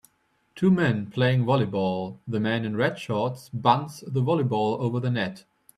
Two men playing volleyball, the man in red shorts bunts the volleyball over the net.